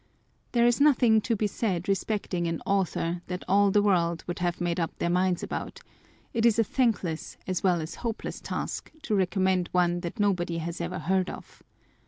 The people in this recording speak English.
There is nothing to be said respecting an author that all the world have made up their minds about : it is a thankless as well as hopeless task to recommend one that nobody has ever heard of.